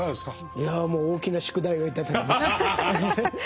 いやもう大きな宿題を頂きました。